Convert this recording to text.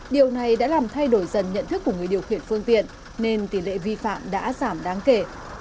điều này đã làm thay đổi dần nhận thức của người điều khiển phương tiện nên tỷ lệ vi phạm đã giảm đáng kể